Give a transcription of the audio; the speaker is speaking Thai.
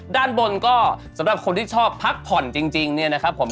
ด้านบนก็สำหรับคนที่ชอบพักผ่อนจริงเนี่ยนะครับผม